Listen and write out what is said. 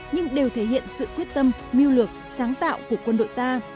nhưng đều thể hiện sự quyết tâm mưu lược sáng tạo của quân đội ta